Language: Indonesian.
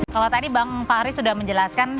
kalau tadi bang fahri sudah menjelaskan